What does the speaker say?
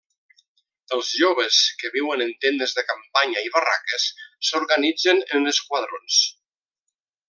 Els joves, que viuen en tendes de campanya i barraques, s'organitzen en esquadrons.